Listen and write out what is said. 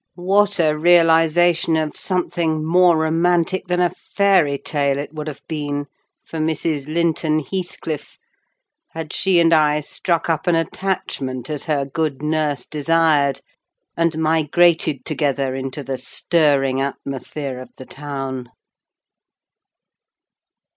"What a realisation of something more romantic than a fairy tale it would have been for Mrs. Linton Heathcliff, had she and I struck up an attachment, as her good nurse desired, and migrated together into the stirring atmosphere of the town!"